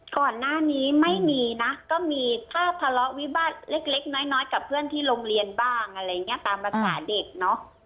ก่อนหน้านี้ไม่มีนะก็มีภาพทะเลาะวิวาสเล็กน้อยกับเพื่อนที่โรงเรียนบ้างอะไรอย่างนี้ตามภาษาเด็กเนอะ